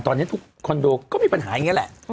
ตอนนี้ทุกคอนโดก็มีปัญหาอย่างนี้แหละ